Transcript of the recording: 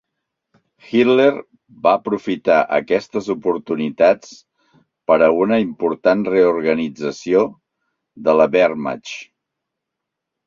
Hitler va aprofitar aquestes oportunitats per a una important reorganització de la "Wehrmacht".